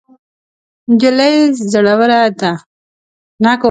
نجلۍ زړوره ده.